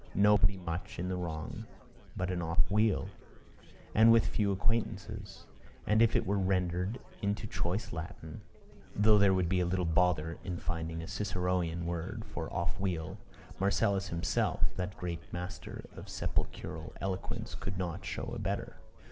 Nobody much in the wrong but an off wheel; and with few acquaintances; and if it were but rendered into choice Latin, though there would be a little bother in finding a Ciceronian word for "off wheel," Marcellus himself, that great master of sepulchral eloquence, could not show a better.